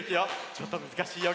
ちょっとむずかしいよ。